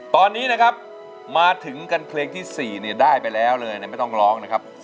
ตอนนี้นะครับมาถึงกันเพลงที่๔เนี่ยได้ไปแล้วเลยไม่ต้องร้องนะครับ